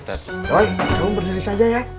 ustaz kamu berdiri saja ya